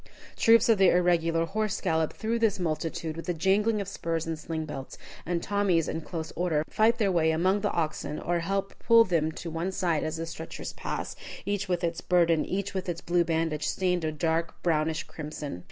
Troops of the irregular horse gallop through this multitude, with a jangling of spurs and sling belts; and Tommies, in close order, fight their way among the oxen, or help pull them to one side as the stretchers pass, each with its burden, each with its blue bandage stained a dark brownish crimson.